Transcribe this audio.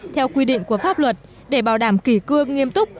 theo quy định của pháp luật để bảo đảm kỷ cương nghiêm túc